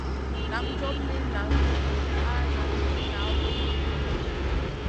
Nan job mi nazion al nan mi na voo sùn ŋolo.